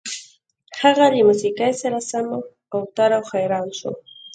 هغه له موسيقۍ سره سم اوتر او حيران شو.